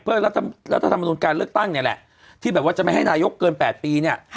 เพื่อรัฐธรรมนุนการเลือกตั้งเนี่ยแหละที่แบบว่าจะไม่ให้นายกเกิน๘ปีเนี่ย